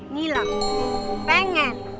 nih lah pengen